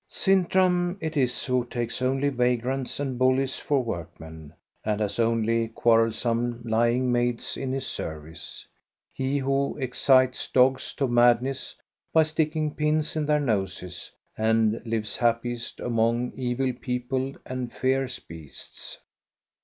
Sintram it is who takes only vagrants and bullies for workmen, and has only quarrelsome, lying maids in his service; he who excites dogs to mad ness by sticking pins in their noses, and lives hap piest among evil people and fierce beasts.